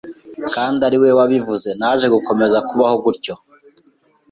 kandi ari we wabivuze, naje gukomeza kubaho gutyo